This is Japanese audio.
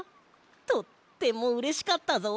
とってもうれしかったぞ。